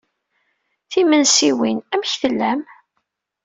Timensiwin, amek tellam?